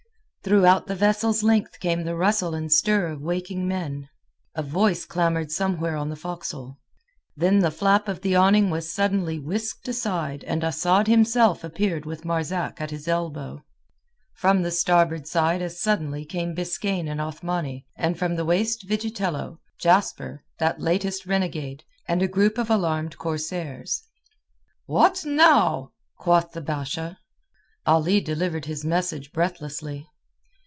Throughout the vessel's length came the rustle and stir of waking men. A voice clamoured somewhere on the forecastle. Then the flap of the awning was suddenly whisked aside and Asad himself appeared with Marzak at his elbow. From the starboard side as suddenly came Biskaine and Othmani, and from the waist Vigitello, Jasper—that latest renegade—and a group of alarmed corsairs. "What now?" quoth the Basha. Ali delivered his message breathlessly.